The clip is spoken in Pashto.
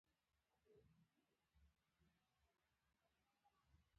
استخاره کول ښه دي